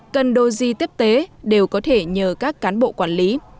cần do di tiếp tế đều có thể nhờ các cán bộ quản lý